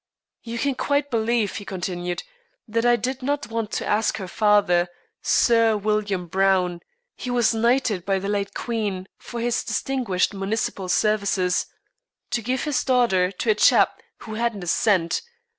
"You can quite believe," he continued, "that I did not want to ask her father, Sir William Browne he was knighted by the late Queen for his distinguished municipal services to give his daughter to a chap who hadn't a cent.